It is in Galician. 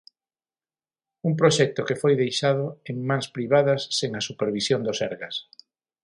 Un proxecto que foi deixado en "mans privadas sen a supervisión do Sergas".